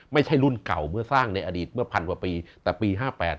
ไม่ใช่รุ่นเก่าเมื่อสร้างในอดีตเมื่อพันกว่าปีแต่ปี๕๘